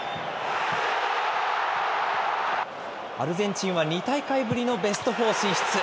アルゼンチンは２大会ぶりのベストフォー進出。